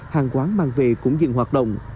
hàng quán mang về cũng dừng hoạt động